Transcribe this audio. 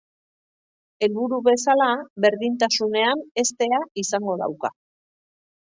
Helburu bezala, berdintasunean heztea izango dauka.